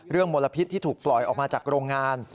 มลพิษที่ถูกปล่อยออกมาจากโรงงาน